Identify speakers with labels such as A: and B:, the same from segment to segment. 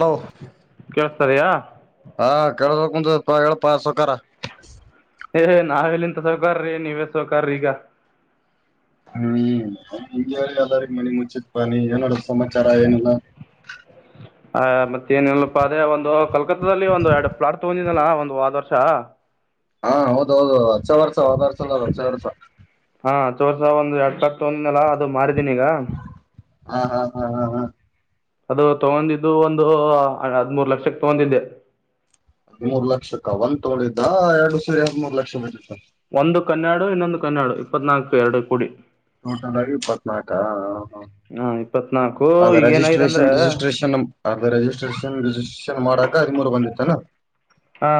A: Hello.
B: [unintelligible] ರಿಯಾ
A: ಹಾ ಕೇಳ್ಬಕುಂತತಿ ಹೇಳಪ್ಪ ಸಾಹುಕಾರ.
B: ಏ ನಾವೆಲ್ಲಿಂತ ಸೌಕಾರ್ರೀ ನೀವೇ ಸೌಕಾರಿ ಈಗ.
A: ಹ್ಮ್ ಹೇಳಿ ಅದಾರಿ ಮನಿ ಮುಂಚಿತ್ಪಾನಿ ಏನಡ ಸಮಾಚಾರ ಏನಿಲ್ಲ.
B: ಆ ಮತ್ತೇನಿಲ್ಲಪ್ಪಾ ಅದೇ ಒಂದು ಕಲ್ಕತ್ತಾದಲ್ಲಿ ಒಂದು ಎರಡು ಪ್ಲಾಟ್ ತಗೊಂಡಿದನಲ್ಲ ಒಂದು ಒದ್ ವರ್ಷ.
A: ಹಾ ಹೌದ ಹೌದು ಅಚ್ಚೆ ವರ್ಸ ಹೋದರ್ಸಲ್ಲ ಅಚ್ಚೆ ವರ್ಷ.
B: ಹ ಚೋರ್ಸ ಒಂದ ಎಡ್ ತಒಂದ್ಲ ಅದು ಮಾಡಿ ಈಗ.
A: ಹಾ ಹಾ ಹಾ ಹಾ ಹಾ.
B: ಅದು ತಗೊಂಡಿದ್ದು ಒಂದು ಹದ್ಮೂರು ಲಕ್ಷಕ್ ತಗೊಂಡಿದ್ದೆ.
A: ಹದಿಮೂರ್ ಲಕ್ಷಕ್ಕ ಒಂದ್ ತೊಂಡಿದ್ದ ಎರಡು ಸೇರಿ ಹದಿಮೂರ್ ಲಕ್ಷ ಬಿದ್ದಿತ್ತ.
B: ಒಂದುಕ್ಕ ಆನ್ನಾಡು ಇನ್ನೊಂದುಕ್ಕ ಆನ್ನಾಡು ಇಪ್ಪತ್ ನಾಲ್ಕು ಎರಡು ಕೂಡಿ.
A: ಟೋಟಲ್ ಆಗಿ ಇಪ್ಪತ್ನಾಕ ಹ್ಮ ಹ್ಮ
B: ಹಾಂ ಇಪ್ಪತ್ನಾಲ್ಕು
A: ಅದ
B: ಈಗ ಏನಾಗಿದೆ ಅಂದರೆ
A: ರರಿಜಿಸ್ಟ್ರೇಷನ್ ಗಿಜಿಸ್ಟ್ರೇಷನ್ ಅ ಬೇರೆ ರರಿಜಿಸ್ಟ್ರೇಷನ್ಸ್ಟ ಗಿಜಿಸ್ಟ್ರೇಷನ್. ಮಾಡಾಕ ಹದಿಮೂರು ಬಂದಿತ್ತೇನ.
B: ಹಾ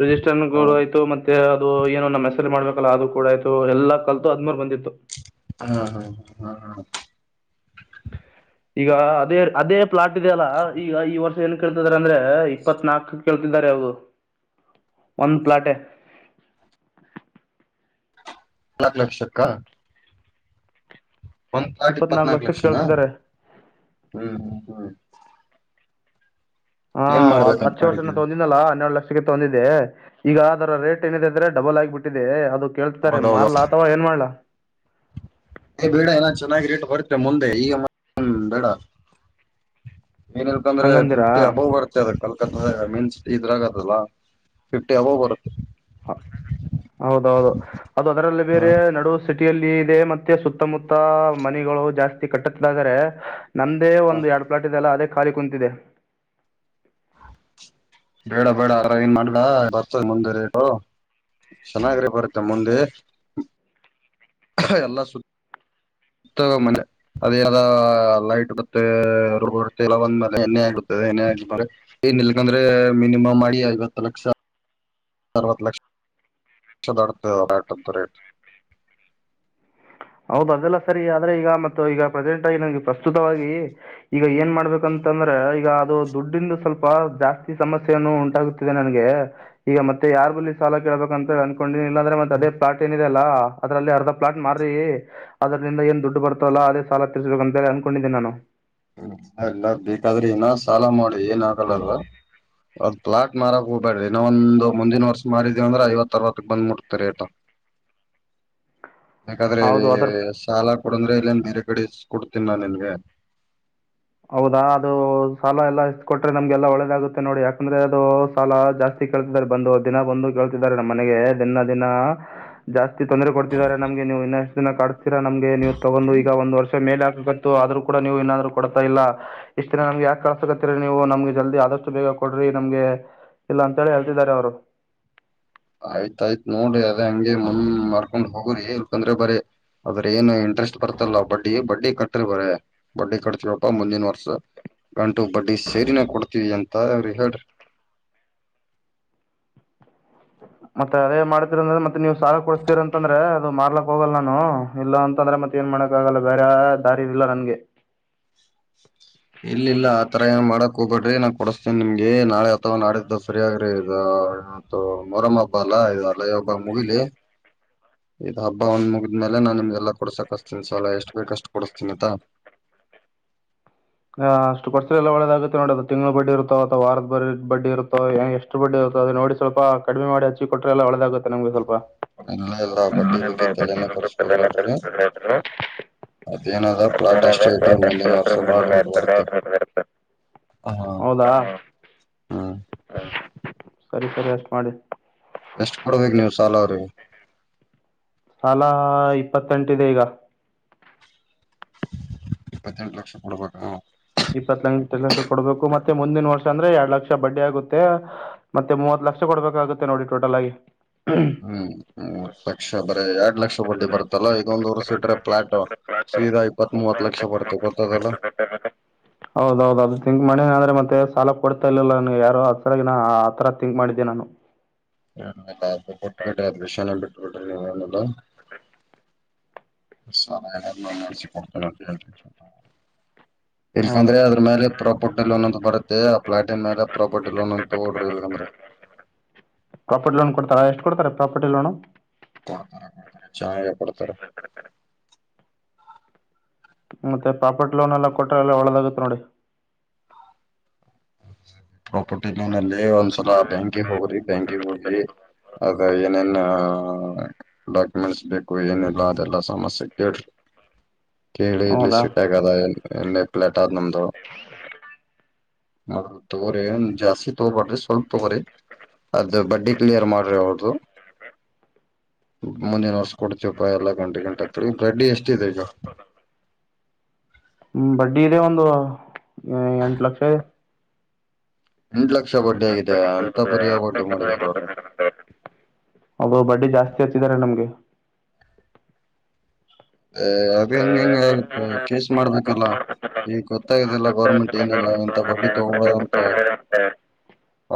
B: ರಿಜಿಸ್ಟ್ರನ್ಗು ಆಯ್ತು ಮತ್ತೆ. ಅದು ಏನು ನಮ್ಮ ಹೆಸರಿಲಿ ಮಾಡಬೇಕಲ್ಲ ಅದು ಕೂಡ ಆಯ್ತು ಅದೆಲ್ಲ ಎಲ್ಲಾ ಕಲ್ತ ಅದ್ಮರು ಬಂದಿತ್ತು.
A: ಹಾ ಹಾ ಹಾ ಹಾ ಹಾ.
B: ಈಗ ಅದೇ ಅದೇ ಪ್ಲಾಟ್ ಇ ಅಲ್ಲಾ ಈಗ ಈ ವರ್ಷ ಏನ್ ಕೇಳ್ತಿದಾರೆ ಅಂದ್ರೆ ಇಪ್ಪತ್ ನಾಲ್ಕ ಕೇಳ್ತಿದ್ದಾರೆ ಅವರು ಒಂದ್ ಪ್ಲಾಟೇ.
A: ನಾಕ್ ಲಕ್ಷಕ್ಕ. ಒಂದ್ ಪ್ಲಾಟ್
B: ಇಪ್ಪತ್ನಾಲ್ಕು
A: ಇಪ್ಪತ್ನಾಕ್
B: ಲಕ್ಷಕ್ಕೆ
A: ಲಕ್ಷನಾ
B: ಕೇಳ್ತಿದ್ದಾರೆ
A: ಹ್ಮ್ ಹ್ಮ್ ಹ್ಮ್.
B: ಹಾ
A: ಏನ್ ಮಾಡ್ಬೇಕಂತ
B: ಹಚ್ಚೆ ವರ್ಷನ
A: ಮಾಡಿದ್ದೀರಿ
B: ತೊಂಡಿದ್ನಲ್ಲಾ ಹನ್ನೆರಡು ಲಕ್ಷ. ತಂದಿದೆ ಈಗ ಅದರ ರೇಟ್ ಏನಿದೆ ಅಂದ್ರೆ ಡಬಲ್ ಆಗಿಬಿಟ್ಟಿದೆ ಅದು. ಕೇಳ್ತಾರೆ
A: ಹೌದೌದ
B: ಮಾರ್ಲ ಅಥವಾ ಏನ್ ಮಾಡ್ಲಾ. [inaudible]
A: ಏ ಬೇಡ ಏನನ್ ಚೆನ್ನಾಗಿ ರೇಟ್ ಬರ್ತೆ ಮುಂದೆ ಈಗ ಮಾ ನು ಬೇಡ. ಏನಿಲ್ಕಂದ್ರ
B: ಹಂಗಂದಿರಾ
A: ಫಿಫ್ಟಿ ಅಬೌ ಬರತ್ತೆ ಅದಕ್ಕೆಲ್ಲ. ಮೀನ್ಸ್ ಇದ್ರಾಗದಲ್ಲ ಫಿಫ್ಟಿ ಅಬೊವೆ ಬರತ್ತೆ.
B: ಹ ಹೌದೌದು ಅದು ಅದರಲ್ಲಿ
A: ಹಾ
B: ಬೇರೆ ನಡುವ ಸಿ ಟಿಯಲ್ಲಿ ಇದೆ ಮತ್ತೆ ಸುತ್ತಮುತ್ತ ಮನೆಗಳು ಜಾಸ್ತಿ ಕಟ್ಟತ್ತದರೆ. ನಂದೆ
A: ಹಾ
B: ಒಂದು ಎರಡ್ ಪ್ಲಾಟ್ ಇದೆಲ್ಲ ಅದೇ. ಖಾಲಿ ಕುಂತಿದೆ.
A: ಬೇಡ ಬೇಡ ಆರಾಮ ಏನ್ ಮಾಡದ ಬರ್ತದೆ ಮುಂದೆ ರೇಟು ಚೆನ್ನಾಗ್ರೀ ಬರುತ್ತೆ ಮುಂದೆ ಎಲ್ಲ ಸು ಮನೆ ಅದ ಲೈಟ್ ಮತ್ತೆ ರೋಂದ ಮ ಎಣ್ಣೆ ಆ ಎಣ್ಣ ಏನ್ ನಿಲ್ಕಂದ್ರೆ ಮಿನಿಮಮ್ ಮಾಡಿ ಐವತ್ತು ಲಕ್ಷ ಅರ್ವತು ಲಕ್ಷ ದಾಟುತ್ತದೆ ದಾಟುತ್ತದೆ ರೇಟ್.
B: ಹೌದ ಅದೆಲ್ಲ ಸರಿ ಆದ್ರೆ ಈಗ ಮತ್ತ ಈಗ ಪ್ರೆಸೆಂಟ್ ಆಗಿ ನನ್ಗೆ ಪ್ರಸ್ತುತವಾಗಿ ಈಗ ಏನ್ ಮಾಡ್ಬೇಕಂತಂದ್ರೆ ಈಗ ಅದು ದುಡ್ಡಿಂದು ಸ್ವಲ್ಪ ಜಾಸ್ತಿ ಸಮಸ್ಯೆನ್ನು ಉಂಟಾಗುತ್ತಿದೆ ನನ್ಗೆ ಈಗ ಮತ್ತೆ ಯಾರ್ ಬಲಿ ಸಾಲ ಕೇಳಬೇಕಂತಿ ಅನ್ಕೊಂಡಿನಿ. ಇಲ್ಲಂದ್ರೆ ಮತ್ತ ಅದ ಪ್ಲಾಟ್ ಏನಿದೆಲ್ಲ. ಅದಲ್ಲಿ ಅರ್ಧ ಪ್ಲಾಟ್ ಮಾರ್ ಅದ್ರರಿಂದ ಏನ್ ದುಡ್ಡು ಬರ್ತವಲ್ಲ ಅದೇ ಸಾಲ ತಿರ್ಸರ್ಬೇಕು ಅಂತ ಹೇಳಿ ಅನ್ಕೊಂಡಿದ್ದನಿ ನಾನು.
A: ಹ್ಮ ಇಲ್ಲ್ ಬೇಕಾದ್ರಿ ಇನ್ನ ಸಾಲ ಮಾಡಿ ಏನ್ ಆಗಲ್ಲಲ್ ಪ್ಲಾಟ್ ಮಾರಕ್ ಹೋಗ್ಬೇಡ್ರಿ ಇನ್ನ ಒಂದು ಮುಂದಿನ ವರ್ಷ ಮಾಡಿದೀ ಅಂದ್ರ ಐವತ್ ಅರವತ್ತಕ್ ಬಂದ್ ಮುಟ್ತ ರೇಟ. ಯಾಕಂದ್ರೆ ಈ
B: ಹೌದು ಅದರ
A: ಶಾಲ ಕೊಡಂದ್ರೆ ಇಲ್ಲನ್ ಬೇರೆ ಕಡೆ ಇಸ್ಕೊಡ್ತೀನ್ ನಾ ನಿನ್ಗೆ.
B: ಹೌದಾ ಅದು ಸಾಲ ಎಲ್ಲಾ ಇಷ್ಟ ಕೊಟ್ರೆ ನಮ್ಗೆಲ್ಲಾ ಒಳ್ಳೆದಾಗುತ್ತೆ ನೋಡಿ ಯಾಕಂದ್ರೆ ಅದು ಸಾಲ ಜಾಸ್ತಿ ಕೇಳ್ತಿದ್ದಾರೆ ಬಂದು ದಿನ ಬಂದು ಕೇಳ್ತಿದ್ದಾರೆ ನಮ್ಮ್ ಮನೆಗೆ ದಿನ ದಿನ ಜಾಸ್ತಿ ತೊಂದರೆ ಕೊಡ್ತಿದ್ದಾರೆ ನಮ್ಗೆ ನೀವು ಇನ್ನಷ್ಟು ದಿನ ಕಿಸಸ್ತೀರಾ ನಮ್ಗೆ ನೀವು ತಗೊಂಡು ಈಗ ಒಂದ್ ವರ್ಷ ಮೇಲೆ ಹಾಕ್ಬೇಕತ್ತು ಆದ್ರ್ರು ಕೂಡ ನೀವು ಇನ್ನಾದ್ರು. ಕೊಡ್ತಾ ಇಲ್ಲ ಇಷ್ಟ್ ದಿನ ನಮ್ಗೆ ಯಾಕ ಕಳ್ಸಕತ್ತರಿ ನೀವು ನಮ್ಗೆ ಜಲ್ದಿ ಆದಷ್ಟು ಬೇಗ ಕೊಡ್ರಿ ನಮ್ಗೆ ಇಲ್ಲ ಅಂತ ಹೇಳಿ ಹೇಳ್ತಿದ್ದಾರೆ ಅವ್ರು.
A: ಆಯ್ತಯ್ತ್ ನೋಡಿ ಯಾ ಅದ ಹಂಗೆ ಮ್ ಮಾರ್ಕೊಂಡ್ ಹೋಗಿ. ರಿ ಹೇಳ್ಕಂದ್ರೆ ಬರೀ ಅದ್ರ ಏನು ಇಂಟ್ರೆಸ್ಟ್ ಬರ್ತಲ್ಲ ಬಡ್ಡಿ ಬಡ್ಡಿ ಕಟ್ರಿ ಬರೆ ಬಡ್ಡಿ ಕಟ್ತೀವಪ್ಪಾ ಮುಂದಿನ ವರ್ಷ ಗಂಟು ಬಡ್ಡಿ ಸೇರಿನ ಕೊಡ್ತೀವಿ ಅಂತ ಅವ್ರಿಗೆ ಹೇಳ್ರಿ.
B: ಮತ್ತೆ ಅದೇ ಮಾಡ್ತಿರ ಅಂದ್ರೆ ಮತ್ತೆ ನೀವ್ ಸಾಲ ಕೊಡಸ್ತೀರ ಅಂತಂದ್ರೆ ಅದು ಮಾರ್ಲಕ್ ಹೋಗಲ್ಲ ನಾನು ಇಲ್ಲ ಅಂತಂದ್ರೆ ಮತ್ತೆ ಏನ್ ಮಾಡಾಕ್ ಆಗಲ್ಲ ಬೇರ ದಾರಿ ಇಲ್ಲ ನನ್ಗೆ.
A: ಇಲ್ಲಿಲ್ಲ ಆತರ ಏನ್ ಮಾಡಕ್ ಹೋಗ್ಬಡ್ರಿ ನ ಕೊಡಿಸಸ್ತೀನಿ ನಿಮ್ಗೆ ನಾಳೆ ಅಥವಾ ನಾಡಿದ್ದ ಸರಿಯಾಗ್ರಿ ಮೊರಮ್ ಹಬ್ಬ ಅಲ್ಲಾ ಇ ಅಲ್ಲಯಬ್ಬಾ ಮುಗಿಲಿ ಇ ಹಬ್ಬ ಒಂದ್ ಮುಗಿದ್ಮೇಲೆ ನಾನ್ ನಿಮ್ಗೆ ಎಲ್ಲಾ ಕೊಡ್ಸಕ್ತೀನಿ ಸಲ ಎಷ್ಟ್ ಬೇಕಷ್ಟ್ ಕೊಡಸ್ತೀನಿ ಆತ.
B: ಆಷ್ಟು ಕೊಡರ್ಸ ಎಲ್ಲ ಒಳ್ಳೆದಾಗುತ್ತೆ ನೋಡಿ ಅದು ತಿಂಗ್ಳ ಬಡ್ಡಿ ತಿಂಗಳ ಇರುತ್ತೋ ಅಥವಾ ವಾರದ ಬ ಬಡ್ಡಿ ಇರುತ್ತೋ ಎಷ್ಟು ಬಡ್ಡಿ ಇರುತ್ತೋ ಅದು ನೋಡಿ ಸ್ವಲ್ಪ ಕಡಿಮೆ ಮಾಡಿ ಹಚ್ಚಿ ಕೊಟ್ರೆ ಎಲ್ಲ ಒಳ್ಳೆದಾಗುತ್ತೆ ನಿಮ್ಗೆ ಸ್ವಲ್ಪ.
A: ಇಲ್ಲ ಇಲ್ಲ ಬಡ್ಡಿ ಬಗ್ಗೆ ತಲೆನ ಕೆಡ್ಸಕೋಬೇಡ್ರಿ ಅದೇಏನದ ಪ್ಲಾಟ್ ಅಷ್ಟೇ ಇಡ್ರಿ ಮುಂದಿನ ವರ್ಷ ಬಾಳ್ರಿ. ಹ
B: [unintelligible] ಹೌದಾ
A: ಹ್ಮ್
B: ಸರಿ ಸರಿ ಅಷ್ಟ ಮಾಡಿ.
A: ಎಷ್ಟು ಕೊಡ್ಬೇಕೇು ನೀವು ಸಾಲ ಅವರಿಗೆ.
B: ಸಾಲ ಇಪ್ಪತ್ತೆಂಟಿದೆ ಈಗ.
A: ಇಪ್ಪತ್ತೆಂಟು ಲಕ್ಷ ಕೊಡ್ಬೇಕ.
B: ಇಪ್ಪತ್ತು ಲಕ್ಷ ಕೊಡಬೇಕು ಮತ್ತೆ ಮುಂದಿನ ವರ್ಷ ಅಂದ್ರೆ ಎರಡ್ ಲಕ್ಷ ಬಡ್ಡಿ ಆಗುತ್ತೆ ಮತ್ತೆ ಮೂವತ್ ಲಕ್ಷ ಕೊಡ್ಬೇಕಾಗುತ್ತೆ ನೋಡಿ ಟೋಟಲ್ ಆಗಿ.
A: ಹ್ಮ ಮೂವತ್ತು ಲಕ್ಷ ಬರೆ ಎರಡ್ ಲಕ್ಷ ಬಡ್ಡಿ ಬರ್ತಲ್ಲ ಇದೊಂದೂ ವಷ್ರಸೀಟ್ರೆ. ಫ್ಲಾಟ್ ಸೀದಾ ಇಪ್ಪತ್ ಮೂವತ್ ಲಕ್ಷ ಬರುತ್ತೆ. ಗೊತ್ತದಲ್ಲ
B: [unintelligible] ಹೌದೌದು ಅದು ಥಿಂಕ್ ಮಾಡೆನ್ ಆದ್ರೆ ಮತ್ತ್. ಮತ್ತೆ ಸಾಲ ಕೊಡ್ತಾ ಇಲಿಲ್ಲ ನಿವ್ಯಾರು ಆದರಸಲ ನಾ ಆ ತರ ಥಿಂಕ್ ಮಾಡಿದ್ದೆ ನಾನು.
A: [unintelligible] ಕೊಟ್ಟು ಬಿಟ್ಟ ಆದ್ರ ವಿಷಯನ ಬಿಟ್ಟ ಬಿಡ್ರಿ. [unintelligible] [unintelligible]
B: ಹೌದು
A: ಇಲ್ಲಂದ್ರೆ ಅದ್ರ ಮೇಲೆ ಪುಾಪುಟ್ಟಲ್ಲಿ ಒಂದೊ ಬರುತ್ತೆ ಆ ಪಫ್ಲಾಟ್ನ್ ಮೇಲೆ ಪ್ರಾಪರ್ಟಿ ಲೋನ್ ಅಂತ ತಗೋಡ್ರಿ ಎಲ್ಗಂದ್ರ
B: ಪ್ರಾಪರ್ಟಿ ಲೋನ್ ಕೊಡ್ತಾರ ಎಷ್ಟು ಕೊಡ್ತಾರೆ ಪ್ರಾಪರ್ಟಿ ಲೋನು
A: [unintelligible] ಚ ಕೊಡ್ತಾರೆ
B: ಮತ್ತೆ ಪ್ರಾಪರ್ಟಿ ಲೋನ್ ಎಲ್ಲ ಕೊಟ್ರಲ್ಲ ಒಳ್ಳೆದಾಗುತ್ತೆ ನೋಡಿ
A: ಪ್ರಾಪರ್ಟಿ ಲೋನ ಅಲ್ಲಿ ಒಂದ್ಸಲ ಬ್ಯಾಂಕಿಗೆ ಹೋಗ್ರಿ ಬ್ಯಾಂಕಿಗೆ ಹೋಗಿ ಅದ ಏನೇನ್ ಡಾಕ್ಯುಮೆಂಟ್ಸ್ ಬೇಕು ಏನಿಲ್ಲ ಅದೆಲ್ಲಾ ಸಮಸ್ಯೆ ಕೇಳ್ರಿ ಕೇಳಿ ಇಲ್ಲಿ
B: ಹೌದಾ
A: ಸಿಕ್ಕಾಗಲ್ಲ ಏ ಎಲ್ಲಲ ನಮ್ದ ಮ ತಗೋರಿ ಒಂದ ಜಾಸ್ತಿ ತೊಗಬಾಡ್ರಿ ಸ್ವಲ್ಪ ತಗೋರಿ ಅದ ಬಡ್ಡಿ ಕ್ಲಿಯರ್ ಮಾಡ್ರಿ ಅವ್ರ್ದು ಮೊನ್ನೆ ನರ್ಸ್ಕೊಡ್ತೀವಿಪ ಎಲ್ಲಾ ಗಂಟೆ ಗಂಟೆ ಬಡ್ಡಿ ಎಷ್ಟಿದೆ ಈಗ
B: ಹ್ಮ ಬಡ್ಡಿ ಇದೆ ಒಂದು ಎಂಟು ಲಕ್ಷ ಇದೆ
A: ಎಂಟು ಲಕ್ಷ ಬಡ್ಡಿ ಆಗಿದೆ ಅಂತ ಪರಿ ಬಡ್ಡಿ ಮಾಡಿದಾರ ಅವರು
B: ಅದು ಬಡ್ಡಿ ಜಾಸ್ತಿ ಹಚ್ಚಿದ್ದಾರೆ ನಮಗೆ
A: ಅ ಅದು ಹೆಂಗ ಹೆಂಗ ಆಗತ್ತೆ ಕೇಸ್ ಮಾಡ್ಬೇಕಲ್ಲಾ ಈಗ ಗೊತ್ತಾಗಲ್ಲ ಗೌರ್ಮೆಂಟ್ ಏನಿಲ್ಲ ಎಂತ ಬಡ್ಡಿ ತಗ ಅಂತ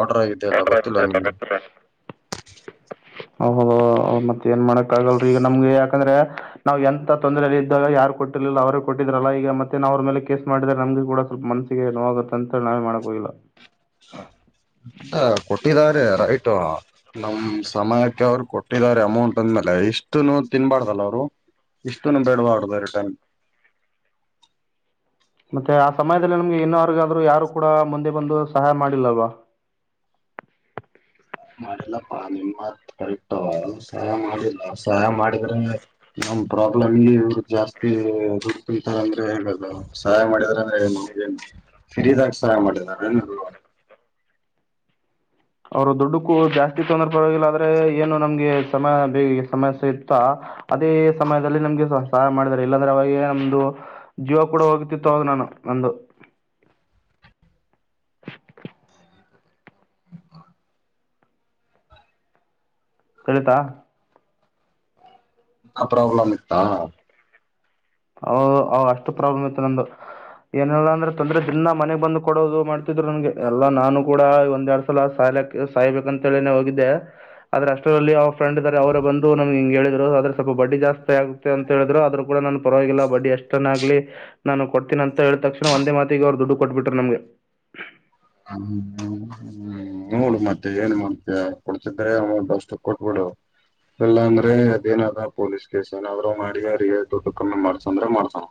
A: ಆರ್ಡರ್ ಆಗಿದೆಲ್ಲ ಗೊತ್ತಿಲ್ಲ ನಿಮ್ಗೆ
B: ಏನ್ ಮಾಡಕ್ ಆಗಲ್ೀ ಈಗ ನಮ್ಗೆ ಯಾಕಂದ್ರೆ ನಾವ್ ಎಂತ ತೊಂದ್ರಲಿ ಇದ್ದಾಗ ಯಾರು ಕೊಟ್ಟಿಲಿಲ್ಲ ಅವ್ರ ಕೊಟ್ಟಿದ್ರಲ್ಲ ಈಗ ಮತ್ತೆ ನಾವ್ ಅವ್ರ ಮೇಲೆ ಕೇಸ್ ಮಾಡಿದ್ರೆ ನಮ್ಗೆ ಕೂಡವಲ್ಪ ಮಸ್ಸಿಗೆ ನೋವಾಗುತ್ತತ್ತ ಅಂತ ನಾವೇ ಮಾಡ್ಕೋೋಗಿಲ್ಲ
A: ಅ ಕೊಟ್ಟಿದಿದ್ದಾರೆ ರೈಟ್ ನಮ ಸಮಯಕ್ಕೆ ಅವರು ಕೊಟ್ಟಿದ್ದಾರೆ ಅಮೌಂಟ್ ಅಂದ್ಮೇಲೆ ಇಷ್ಟುನು ತಿನ್ಬಾರ್ದಲ್ಲ ಅವ್ರು ಇಷ್ಟುನು ಬಿೇಡಬಾರ್ದ ರಿಟೈನ್
B: ಮತ್ತೆ ಆ ಸಮಯದಲ್ಲಿ ನಮ್ಗೆ ಇನ್ನರ್ಗಾದ್ರು ಯಾರು ಕೂಡ ಮುಂದೆ ಬಂದು ಸಹಾಯ ಮಾಡಿಲ್ಲಲ್ವಾ
A: ಹಾಯ ಮಾಡಿಲ್ಲಪ್ಪಾ ನಿಮ್ಮತ್ ಕರೆಕ್ಟ್ ಸಹಾಯ ಮಾಡಿಲ್ಲ ಸಹಾಯ ಮಾಡಿದ್ರೆ ನಮ ಪ್ರಾಬ್ಲಮ್ಿ ಜಾಸ್ತಿ ದುಡ್ಡು ತಿಂತಾರ ಅಂದ್ರೆ ಹೇಗಲ್ ಸಹಾಯ ಮಾಡಿದ್ರೆಂದ್ರಮ ಫ್ರೀದಾಗ ಸಹಾಯ ಮಾಡಿದಾರ ಏನಲ್
B: ಅವರು ದುಡ್ಡಕ್ಕೂ ಜಾಸ್ತಿ ತೊಂದರೆ ಪರವಾಗಿಲ್ಲ ಆದ್ರೆ ಏನು ನಮ್ಗೆ ಸಮ ಬೇಗಿಗೆ ಸಮಸ್ಯೆ ಇತ್ತಾ ಅದೇ ಸಮಯದಲ್ಲಿ ನಮ್ಗೆ ಸಹ ಸಹಾಯ ಮಾಡಿದಿದ್ದಾರೆ ಇಲ್ಲಾಂದ್ರೆ ಅವಾಗೇ ನಮ್ದು ಜೀವ ಕೂಡ ಹೋಗಿತಿತ್ತು ಅವ ನಾನು ನಮಂದು ಕಲತಾ
A: ಪ್ರಾಬ್ಲ್ಮ್ ಇತಾ
B: ಹ್ ಅಷ್ಟು ಪ್ರಾಬ್ಲಮ್ ಇತ್ತು ನಂದುು ಏನಲ್ಲ ಅಂದ್ರೆ ತೊಂದ್ರೆ ದಿನ ಮನೆಗ್ ಬಂದು್ ಕೊಡೋದು ಮಾಡ್ತಿದ್ರು ನನ್ಗೆ ಎಲ್ಲಾ ನಾನು ಕೂಡ ಒಂದ ಎರಡ್ ಸಲ ಸಾಯ್ಲಕ್ ಸಾಯ್ಬೇಕ ಅಂತನೆ ಹೋಗಿದ್ದೆ ಆದ್ರೆ ಅಷ್ಟರಲ್ಲಿ ಅವ ಫ್ರೆಂಡ್ ಇದ್ದಾರೆ ಅವರ ಬಂದು ನನ್ಗೆ ಹಿಂಗ್ ಹೇಳಿದ್ರು ಆದ್ರೆ ಸ್ವಲ್ಪ ಬಡ್ಡಿ ಜಾಸ್ತಿ ಆಗುತ್ತೆ ಅಂತ ಹೇಳಿದ್ರು ಆದ್ರರು ಕೂಡ ನ ಪರವಾಗಿಲ್ಲ ಬಡ್ಡಿ ಎಷ್ಟನ ಆಗ್ಲಿ ನಾನು ಕೊಡ್ತೀನಿ ಅಂತ ಹೇಳ ತಕ್ಷಣ ಒಂದೇ ಮಾತಿಗೆ ಅವ್ರು ದುಡ್ಡು ಕೊಟ್ಬಿಟ್ರ ನಮ್ಗೆ
A: ಹ್ಮ ಹ್ಮ ನೋಳ ಮತ್ತೆ ಏನ್ ಮತ್ತೆ ಕೊಡ್ತಿದ್ರೆ ಅಮೌಂಟ್ ಅಷ್ಟು ಕೊಟ್ಬಿಡು ಇಲ್ಲಾ ಅಂದ್ರೆ ಅದೇನಾದ ಪೊಲೀಸ್ ಕೇಸ್ ಏನಾದ್ರು ಮಾಡಿ ಅವರಿಗೆ ದುಡ್ಡು ಕಮ್ಮಿ ಮಾಡ್ಸಂದ್ರೆ ಮಾಡ್ಸಾಣ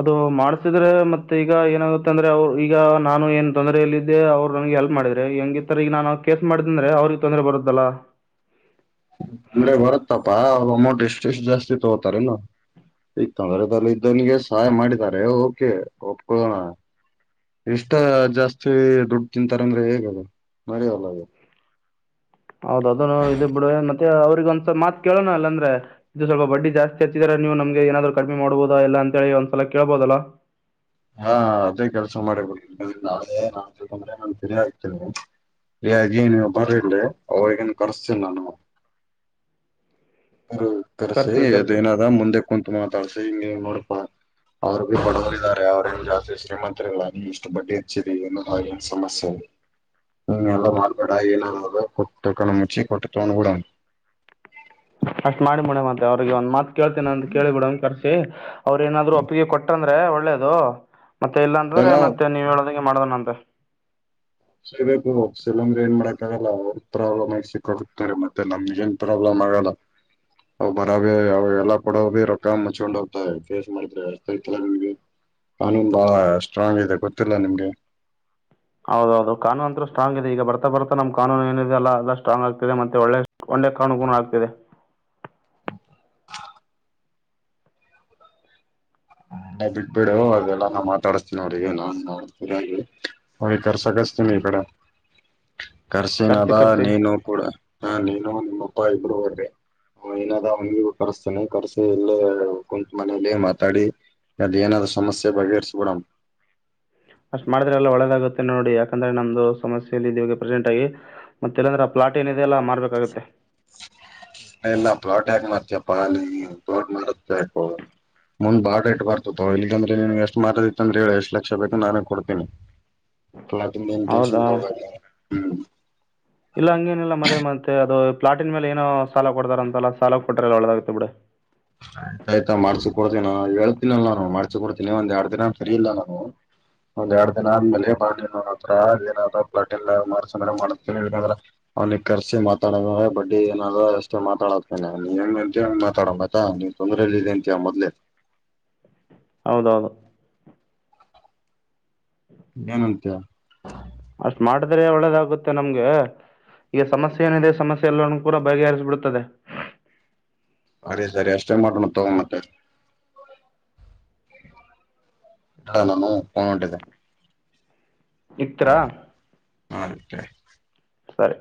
B: ಅದು ಮಾಡ್ಸಿದ್ರೆ ಮತ್ತೆ ಈಗ ಏನಾಗುತ್ತೆ ಅಂದ್ರೆ ಅವರು ಈಗ ನಾನು ಏನ್ ತೊಂದ್ರೆಯಲ್ಲಿದ್ದೆ ಅವ್ರು ನನ್ಗೆ ಎಲ್ಪ್ ಮಾಡಿದ್ರೆ ಹೆಂಗಿತರ ಈಗ ನಾನು ಕೇಸ್ ಮಾಡ್ದ ಅಂದ್ರೆ ಅವ್ರಿಗೆ ತೊಂದ್ರೆ ಬರುತ್ತಲ್ಲ
A: ಅಂದ್ರೆ ಬರುತ್ತಪ್ಪ ಇಷ್ಟು ಇಷ್ಟು ಜಾಸ್ತಿ ತಗೋತಾರೆನ ಈ ತೊಂದ್ರೆ ಅಲ್ಲಿ ಇದ್ದವನಿಗೆ ಸಹಾಯ ಮಾಡಿದಾರೆ ಓಕೆ ಒಪ್ಕೋಣ ಇಷ್ಟ ಜಾಸ್ತಿ ದುಡ್ಡು ತಿಂತಾರೆಂದ್ರೆ ಹೇಗ ಅದು ಮಾಡವಲ್ಲ ಅದು
B: ಹೌದ ಅದನ್ನು ಇದು ಬಿಡುವ ಅವ್ರಿಗೆ ಒಂದ್ಸಲ್ ಮಾತ್ ಕೇಳೋಣ ಅಲ್ಲ ಅಂದ್ರೆ ಇದು ಸ್ವಲ್ಪ ಬಡ್ಡಿ ಜಾಸ್ತಿ ಹಚ್ಚಿದ್ರ ನೀವು ನಮ್ಗೆ ಏನಾದ್ರು ಕಡಿಮೆ ಮಾಡ್ಬುದಾ ಎಲ್ಲ ಅಂತ ಹೇಳಿ ಒಂದ್ಸಲ ಕೇಳ್ಬೋದಲ್ಲಾ
A: ಹಾ ಅದೇ ಕೆಲ್ಸ ಮಾಡಿಬಂದ್ರ ನಾಳೆ ನಾ ತಂದ್ರೆ ನಾನು ಫರಿಯ ಆಗ್ತಿ ಯ ನೀವು ಬರಿ ಇಲ್ಲಿ ಅವಗನ್ ಕರ್ಸ್ತೀನಿ ನಾನು ಹ್ಮ [inaudible] ರು ಕರೆಸಿ ಅದೇನದ ಮುಂದೆ ಕುಂತು ಮಾತಾಡ್ಸಿ ಹಿಂಗಗೆ ನೋಡ ಅವ್ರು ಭಿ ಬಡವರ ಇದಾರೆ ಅವ್ರೇ ಜಾಸ್ತಿ ಶ್ರೀಮಂತತ್ರಿ ಇಲ್ಲ ನೀ ಎಷ್ಟು ಬಡ್ಡಿ ಹಚ್ಚಿದಿ ಏನ ಏನ್ ಸಮಸ್ಯೆ ಇ ನೀ ಎಲ್ಲ ಮಾಡಬೇಡ ಏನಾರ ಕೊಟ್ಟ ಕಣ ಮುಚ್ಚಿ ಕೊಟ್ಟತ ಕೂಡ
B: ಅಷ್ಟ್ ಮಾಡಿ ಮುೆ ಮತ್ತೆ ಅವ್ರಿಗೆ ಒಂದ್ ಮಾತ್ ಕೇಳ್ತೀನ ಅಂತ ಕೇಳಿ ಬಿಡವನ್ ಕರ್ಸಿ ಅವರೇನಾದರೂ ಒಪ್ಪಿಗೆ ಕೊಟ್ಟರಂತೆ ಬಂದ್ರೆ ಒಳ್ಳೇದು ಮತ್ತೆ ಇಲ್ಲ ಅಂದ್ರ
A: ಎಲ್ಲ
B: ಮತ್ತೆ ನೀವು ಹೇಳದ ಮಾಡನಂತ
A: ಸರಿಬೇಕುಸಲಂದ್ರ ಏನ್ ಮಾಡಕಾಗಲ್ಲ ಅವ್ರ ಪ್ರಾಬ್ಲಮ್ ಆಗಸಕ್ಕೋಗತಾರೆ ಮತ್ತೆ ನಮ್ಗೆ ಏನ್ ಪ್ರಾಬ್ಲಮ್ ಆಗಲ್ಲ ಅವ ಬರಬ ಅವ ಎಲ್ಲ ಕೊಡ ಭ ರೊಕ್ಕ ಮುಚ್ಕೊಂಡ ಹೋಗ್ತ ಫೇಸ್ ಮಾಡಿದ್ರೆತಲ್ಲ ನಿಮ್ಗೆ ಕಾನೂನ್ ಬಾಳ ಸ್ಟ್ರಾಂಗ್ ಇದೆ ಗೊತ್ತಿಲ್ಲ ನಿಮ್ಗೆ
B: ಹೌದೌದು ಕಾನೂನ್ ಅಂತೂ ಸ್ಟ್ರಾಂಗ್ ಇದೆ ಈಗ ಬರ್ತಾ ಬರ್ತಾ ನಮ್ ಕಾನೂನು ಏನಿದೆ ಅಲ್ಲ ಎಲ್ಲ ಸ್ಟ್ರಾಂಗ್ ಆಗ್ತಿದೆ ಮತ್ತೆ ಒಳ್ಳೆ ಒಂದೆ ಕಾನೂನು ಕೂ ಆಗ್ತಿದೆ
A: [inaudible] ಬಿಟ್ಬಿಡು ಅದೆಲ್ಲ ನಾ ಮಾತಾಡಸ್ತೀನಿ ನೋಡಿಗೆ ನಾನ್ ನೋಡ್ತೀನಿಿ ಅವಿ ಕರ್ಸ ಕಿಸತೀನಿ ಈ ಕಡೆ
B: ಕರೆಸಿ
A: ಕರ್ಸನದಾ
B: ಕರೆಸಿ
A: ನೀನು ಕೂಡ ಹ ನೀನ್ ನಿಮ್ಮ ಅಪ್ಪ ಇಬ್ರು ಹೋಗ್ರೀ ಏನಾದ ಅವನಿ ಕರ್ಸ್ತಾನೆ ಕರೆಸಿ ಇಲ್ಲ ಕುತ್ ಮನಲ್ಲ ಮಾತಾಡಿ ಅದು ಏನಾದೂ ಸಮಸ್ಯೆ ಬಗೆಹರಿಸಬಿಡಣ
B: ಅಷ್ಟ್ ಮಾಡಿದ್ರೆ ಎಲ್ಲ ಒಳ್ಳೆದಾಗುತ್ತೆ ನೋಡಿ ಯಾಕಂದ್ರೆ ನಮ್ದು ಸಮಸ್ಯೆಯಲ್ಲಿ ಇ ಪ್ರೆಸೆಂಟ್ ಆಗಿ ಮತ್ತೆ ಇಲ್ಲಂದ್ರೆ ಆ ಪ್ಲಾಟ್ ಏನಿದೆ ಎಲ್ಲ ಮಾಡ್ಬೇಕಾಗುತ್ತೆ
A: ಎಲ್ಲ ಬ್ಲಾಟ್ ಯಾಕ ಮಾಡ್ತ ಪಾನಿ ಬ್ಲಟ್ ಮಾಡ ಬು ಮುಂದ್ ಬಾಳ ಇಟ್ ಬರ್ತತ್ತು ಇಲ್ಗಂದ್ರೆ ನಿನ್ಗೆ ಎಷ್ಟ ಮಾಡದಿತ್ತ ಅಂದ್ರೆ ಹೇಳಿ ಎಷ್ಟ್ ಲಕ್ಷ ಬೇಕು ನಾನೇ ಕೊಡ್ತೀನಿ ಪ್ಲಾಟಿನದೇನೋ ಟೆನ್ಶನ್
B: ಹೌದಾ
A: ತಗೋಬೇಡ ಹ್ಮ್
B: ಇಲ್ಲ ಹಂಗೇನಿಲ್ಲ ಮತ್ತೆ ಮತ್ತೆ ಅದು ಪ್ಲಾಟನ್ ಮೇಲೆ ಏನೋ ಸಾಲ ಕೊಡತಾರಂತಲ್ಲ ಸಾಲ ಕೊಟ್ರಲ್ಲ ಒಳ್ಳದಾಗತೆ ಬಿಡ
A: ಆಯ್ತಾ ಮಾಡ್ಸಿ ಕೊಡ್ತೀನ ಹೇಳ್ತನಲ್ಲ ನಾನು ಮಾಡ್ಸಿ ಕೊಡ್ತಿನಿ ಒಂದ್ ಎರಡ್ ದಿನ ಸರಿ ಇಲ್ಲ ನಾನು ಒಂದ್ ಎರಡ್ ದಿನ ಆದ್ಮೇಲೆ ಬೋ ಹತ್ರ ಏನಾದ ಪ್ಲಾ್ರ ಮಾಡತಿ ಏನಾದ್ರ ಅವ್ನಿ ಕರ್ಸಿ ಮಾತಾಡದ ಬಡ್ಡಿ ಏನಾದ ಅಷ್ಟೇ ಮಾತಾಡತನ ಮಾತಾಡ ತೊಂದ್ರಲಿಲಿಂತ ಮದಲೆ
B: ಹೌದೌದು
A: ಏನಂತೀಯಾ
B: ಅಷ್ಟ್ ಮಾಡಿದ್ರೆ ಒಳ್ಳೆದಾಗುತ್ತೆ ನಮ್ಗೆ ಈಗ ಸಮಸ್ಯೆ ಏನಿದೆ ಸಮಸ್ಯೆ ಎಲ್ಲಾನು ಕೂಡ ಬಗೆಹರಿಸಬಿಡ್ತದೆ
A: ಅರಿ ಸರಿ ಅಷ್ಟ ಮಾಡಲು ತಗೋ ಮತ್ತ ನಾನು
B: ಇಟ್ರಾ
A: [inaudible]
B: ಸರಿ